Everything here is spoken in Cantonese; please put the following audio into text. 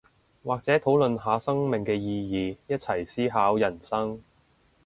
或者探討下生命嘅意義，一齊思考人生